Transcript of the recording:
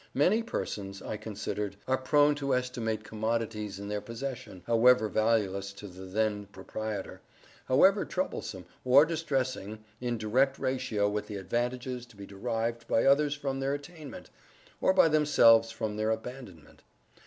Many persons, I considered, are prone to estimate commodities in their possession—however valueless to the then proprietor—however troublesome, or distressing—in direct ratio with the advantages to be derived by others from their attainment, or by themselves from their abandonment.